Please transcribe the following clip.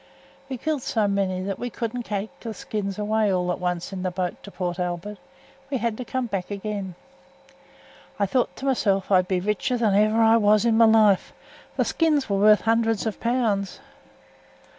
We killed so many that we couldn't take th' skins away all at once in the boat to Port Albert; we had to come back again. I thowt to myself I'd be richer than ever I was in my life; th' skins were worth hundreds of pounds.